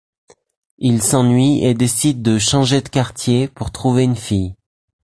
Ils s'ennuient et décident de changer de quartier pour trouver une fille.